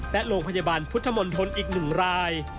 และโรงพยาบาลพุทธมณฑลอีก๑ราย